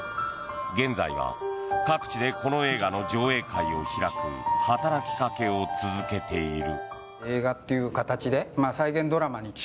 現在は、各地でこの映画の上映会を開く働きかけを続けている。